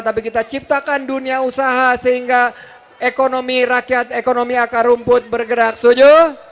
tapi kita ciptakan dunia usaha sehingga ekonomi rakyat ekonomi akar rumput bergerak setuju